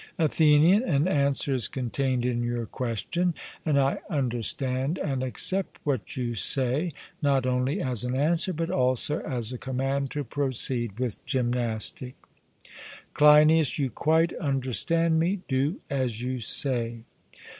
ATHENIAN: An answer is contained in your question; and I understand and accept what you say not only as an answer, but also as a command to proceed with gymnastic. CLEINIAS: You quite understand me; do as you say.